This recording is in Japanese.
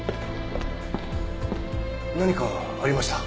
何かありました？